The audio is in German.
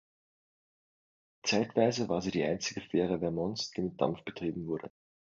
Zeitweise war sie die einzige Fähre Vermonts, die mit Dampf betrieben wurde.